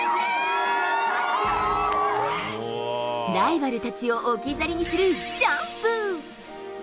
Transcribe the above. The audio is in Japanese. ライバルたちを置き去りにするジャンプ。